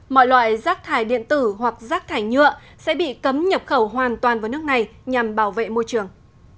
mọi loại rác thải điện tử hoặc rác thải nhựa sẽ bị cấm nhập khẩu hoàn toàn vào nước này nhằm bảo vệ môi trường